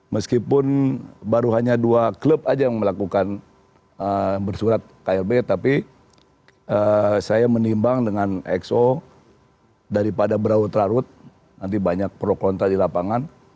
meskipun baru hanya dua klub aja yang melakukan bersurat klb tapi saya menimbang dengan exo daripada beraut raut nanti banyak pro kontra di lapangan